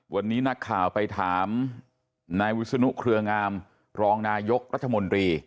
วันนี้นักข่าวไปถามนายวิศนุเครืองามรองนายกรัฐมนตรี